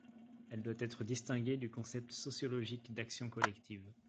Elle doit être distinguée du concept sociologique d'Action collective.